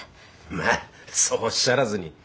まあそうおっしゃらずに。